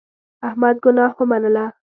احمد ګناه ومنله.